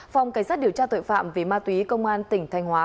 phòng cảnh sát điều tra tội phạm về ma túy công an tỉnh thanh hóa